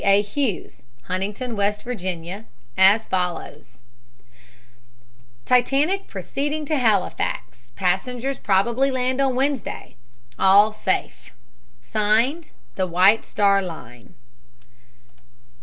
A. Hughes, Huntington, W. Va., as follows: "Titanic proceeding to Halifax. Passengers probably land on Wednesday. All safe. (Signed) "THE WHITE STAR LINE.